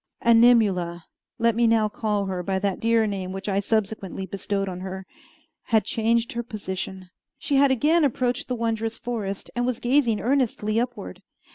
Animula (let me now call her by that dear name which I subsequently bestowed on her) had changed her position. She had again approached the wondrous forest, and was gazing earnestly upward.